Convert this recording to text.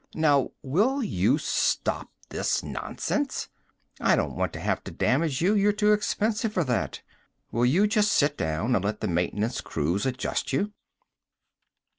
Now will you stop this nonsense? I don't want to have to damage you; you're too expensive for that. Will you just sit down and let the maintenance crews adjust you?"